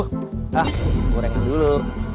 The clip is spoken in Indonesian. hah kurengin dulu